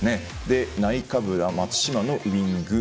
ナイカブラ、松島のウイング。